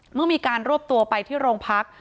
เมื่อมีการรวบตัวไปที่โรงพัก